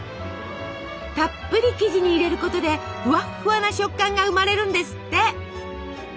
たっぷり生地に入れることでフワッフワな食感が生まれるんですって。